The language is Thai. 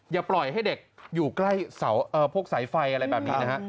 อย่าปล่อยให้เด็กอยู่ใกล้พวกสายไฟอะไรแบบนี้นะฮะ